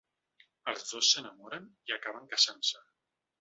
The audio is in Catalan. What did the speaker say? Els dos s’enamoren i acaben casant-se.